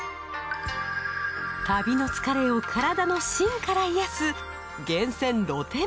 旅の疲れを体の芯から癒やす源泉露天風呂。